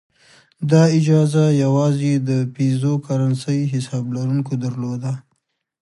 دا اجازه یوازې د پیزو کرنسۍ حساب لرونکو درلوده.